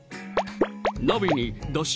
鍋にだし